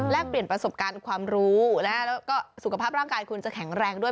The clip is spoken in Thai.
เปลี่ยนประสบการณ์ความรู้แล้วก็สุขภาพร่างกายคุณจะแข็งแรงด้วย